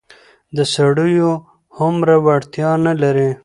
د سړيو هومره وړتيا نه لري.